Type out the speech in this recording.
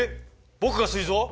僕がすい臓？